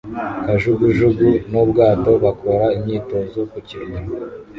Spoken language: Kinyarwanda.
Kajugujugu n'ubwato bakora imyitozo ku kirwa